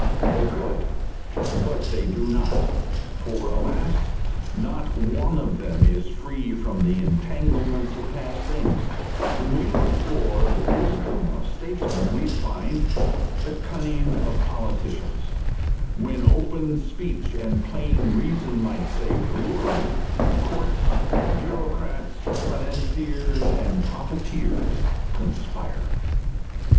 They could but they do not. For alas! not one of them is free from the entanglements of past things; when we look for the wisdom of statesmen we find the cunning of politicians; when open speech and plain reason might save the world, courts, bureaucrats, financiers and profiteers conspire.